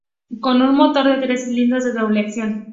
Con un motor de tres cilindros de doble acción.